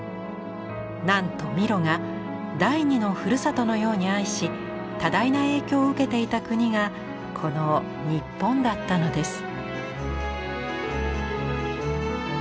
なんとミロが第二のふるさとのように愛し多大な影響を受けていた国がこの日本だったのです。